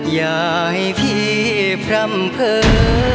อยากให้พี่พร่ำเผลอ